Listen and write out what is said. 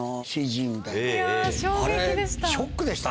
衝撃でした。